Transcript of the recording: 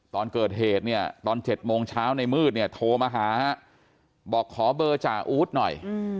ตอนเกิดเหตุเนี่ยตอน๗โมงเช้าในมืดเนี่ยโทรมาหาบอกขอเบอร์จ่าอู๊ดหน่อย